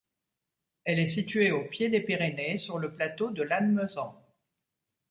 Elle est située au pied des Pyrénées sur le plateau de Lannemezan.